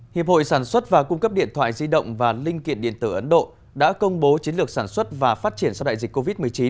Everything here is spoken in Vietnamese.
hiệp hội sản xuất và cung cấp điện thoại di động và linh kiện điện tử ấn độ đã công bố chiến lược sản xuất và phát triển sau đại dịch covid một mươi chín